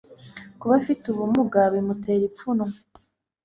kuba afite ubumuga bimutera ipfunwe